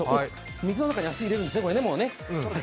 水の中にもう足を入れるんですね。